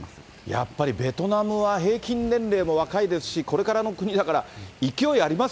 やっぱりベトナムは平均年齢も若いですし、これからの国だから、勢いあります？